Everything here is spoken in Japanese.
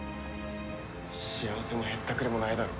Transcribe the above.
幸せもへったくれもないだろ。